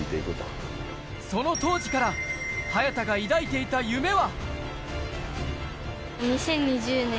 その当時から早田が抱いていた夢は。